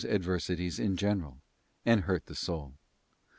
adversities in general, and hurt the soul.